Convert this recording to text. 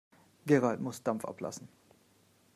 Gerald muss Dampf ablassen.